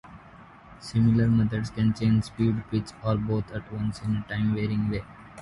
Similar methods can change speed, pitch, or both at once, in a time-varying way.